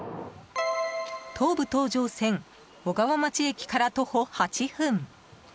東武東上線小川町駅から徒歩８分。